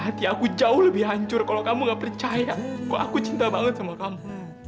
hati aku jauh lebih hancur kalau kamu gak percaya kok aku cinta banget sama kamu